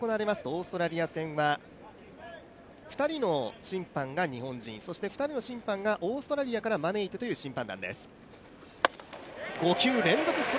オーストラリア戦は２人の審判が日本人そして２人の審判がオーストラリアから招いてという審判団です。